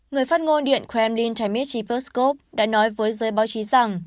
người phát ngôn điện kremlin tymeshi peskov đã nói với giới báo chí rằng